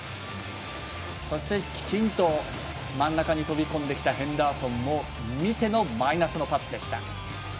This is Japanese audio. きちんと真ん中に飛び込んできたヘンダーソンを見てのマイナスのパスでした。